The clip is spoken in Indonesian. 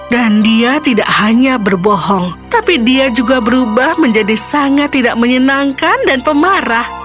dan dia tidak hanya berbohong tapi dia juga berubah menjadi sangat tidak menyenangkan dan pemarah